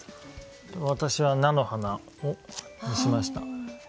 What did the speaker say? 私は「菜の花」にしました。